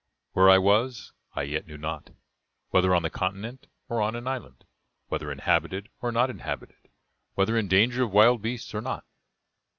Where I was, I yet knew not; whether on the continent or on an island; whether inhabited or not inhabited; whether in danger of wild beasts or not.